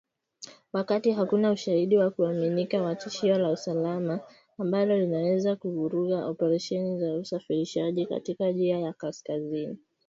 Wakati hakuna ushahidi wa kuaminika wa tishio la usalama ambalo linaweza kuvuruga operesheni za usafirishaji katika njia ya kaskazini